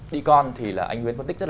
tức là cái sự